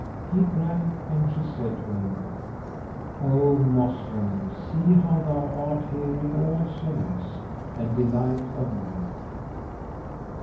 He drank and she said to him, "O Moslem, see how thou art here in all solace and delight of life!"